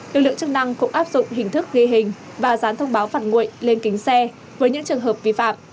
lực lượng chức năng cũng áp dụng hình thức ghi hình và dán thông báo phạt nguội lên kính xe với những trường hợp vi phạm